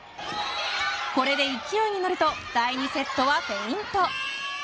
これで勢いに乗ると第２セットはフェイント。